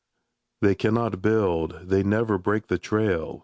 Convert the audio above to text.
They cannot build, they never break the trail.